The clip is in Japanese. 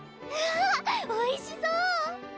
おいしそう！